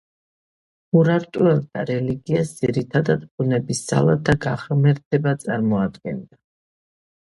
ურარტუელთა რელიგიას, ძირითადად, ბუნების ძალთა გაღმერთება წარმოადგენდა.